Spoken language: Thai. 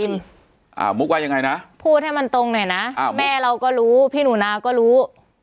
มุกว่ายังไงนะพูดให้มันตรงหน่อยนะแม่เราก็รู้พี่หนูนาก็รู้